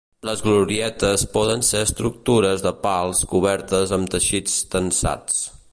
Les glorietes poden ser estructures de pals cobertes amb teixits tensats.